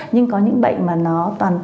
nhưng có những bệnh mà nó toàn